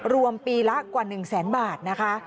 รวมปีละกว่า๑แสนบาทนะคะ